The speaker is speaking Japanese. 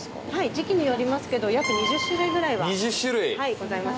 時期によりますけど約２０種類くらいはございます。